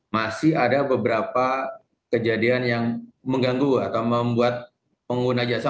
masih ada beberapa kejadian yang mengganggu atau membuat pengguna jasa